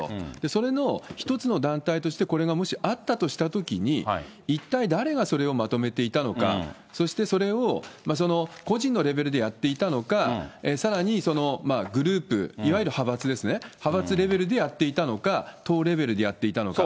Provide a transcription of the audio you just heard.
それの一つの団体として、これがもしあったとしたときに、一体誰がそれをまとめていたのか、そしてそれを、個人のレベルでやっていたのか、さらにそのグループ、いわゆる派閥ですね、派閥レベルでやっていたのか、党レベルでやっていたのか。